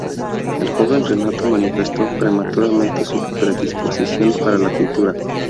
El joven Renato manifestó prematuramente su predisposición para la pintura.